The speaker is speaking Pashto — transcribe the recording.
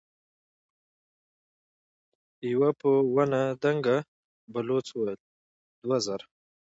يوه په ونه دنګ بلوڅ وويل: دوه زره.